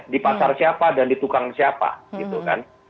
di pasar siapa dan di tukang siapa gitu kan